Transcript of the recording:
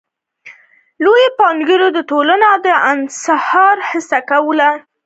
لوی پانګوال د تولید د انحصار هڅه کوله